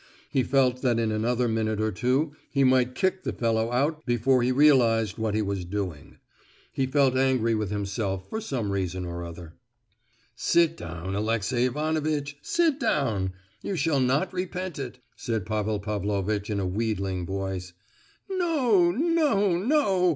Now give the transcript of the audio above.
He felt that in another minute or two he might kick the fellow out before he realized what he was doing. He felt angry with himself for some reason or other. "Sit down, Alexey Ivanovitch, sit down! You shall not repent it!" said Pavel Pavlovitch in a wheedling voice. "No, no, no!"